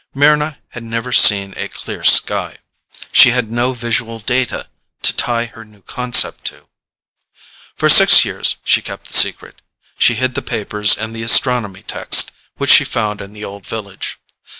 Mryna had never seen a clear sky. She had no visual data to tie her new concept to. For six years she kept the secret. She hid the papers and the astronomy text which she found in the Old Village.